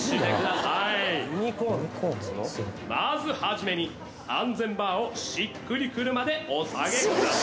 ・まず初めに安全バーをしっくりくるまでお下げください。